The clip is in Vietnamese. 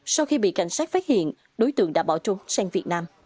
sau khi bị cảnh sát phát hiện đối tượng đã bỏ trốn sang việt nam